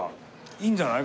いいんじゃない？